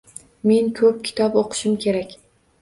Men koʻp kitob oʻqishim kerak.